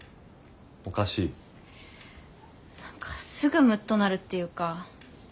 おかしい？何かすぐムッとなるっていうか。